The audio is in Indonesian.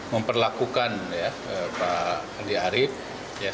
memperlakukan ya pak andi arief